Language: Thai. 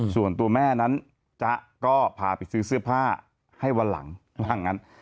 ส่วนตัวแม่นั้นจ๊ะก็พาไปซื้อเสื้อผ้าให้วันหลังว่างั้น